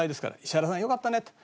「石原さん良かったね」って